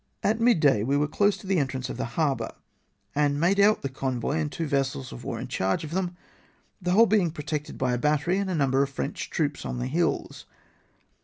At mid day we were close to the entrance of the harbour, and made out the convoy and two vessels of war in charge of them, the whole being protected by a battery and a number of French troops on the hills.